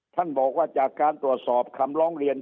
ท่านบอกว่าจากการตรวจสอบคำร้องเรียน